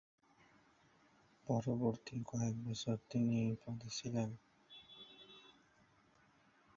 পরবর্তী কয়েকবছর তিনি এই পদে ছিলেন।